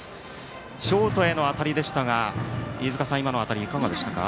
ショートへの当たりでしたが飯塚さん、今の当たりどうでしたか？